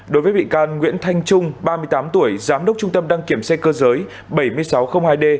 đối với bị can nguyễn thanh trung ba mươi tám tuổi giám đốc trung tâm đăng kiểm xe cơ giới bảy nghìn sáu trăm linh hai d